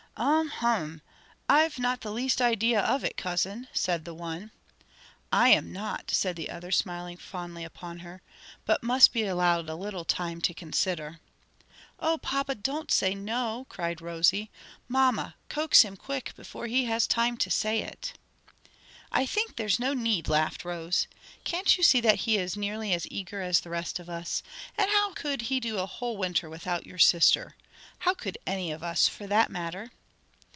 um h'm! I've not the least idea of it, cousin," said the one. "I am not," said the other, smiling fondly upon her, "but must be allowed a little time to consider." "O papa, don't say no!" cried Rosie. "Mamma, coax him quick before he has time to say it." "I think there's no need," laughed Rose. "Can't you see that he is nearly as eager as the rest of us? and how could he do a whole winter without your sister? How could any of us, for that matter?"